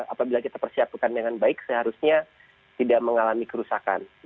apabila kita persiapkan dengan baik seharusnya tidak mengalami kerusakan